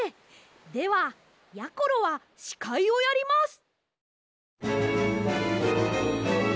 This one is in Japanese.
ではやころはしかいをやります。